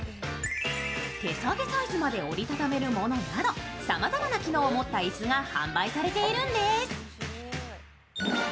手提げサイズまで折り畳めるものなど、さまざまな機能を持った椅子が販売されているんです。